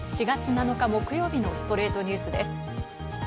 ４月７日、木曜日の『ストレイトニュース』です。